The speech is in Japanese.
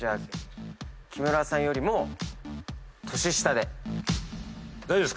木村さんよりも年下で。